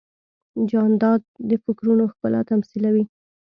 جانداد د فکرونو ښکلا تمثیلوي.